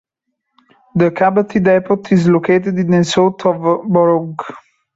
The Kabaty depot is located in the south of the borough.